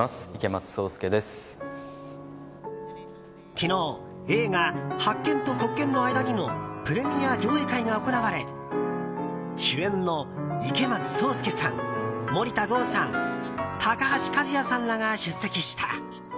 昨日映画「白鍵と黒鍵の間に」のプレミア上映会が行われ主演の池松壮亮さん森田剛さん、高橋和也さんらが出席した。